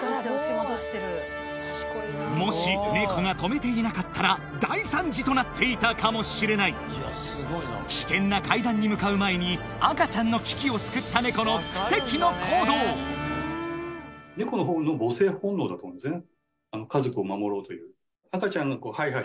もし猫が止めていなかったら大惨事となっていたかもしれない危険な階段に向かう前に赤ちゃんの危機を救った猫の奇跡の行動だと思うんですね